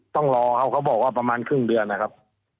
ต้องรอครับเขาบอกว่าประมาณครึ่งเดือนนะครับ